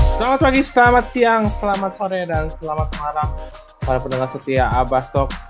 selamat pagi selamat siang selamat sore dan selamat malam para pendengar setia abah stok